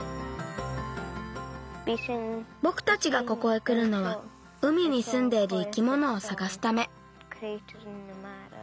ぼくたちがここへくるのは海にすんでいる生き物をさがすため。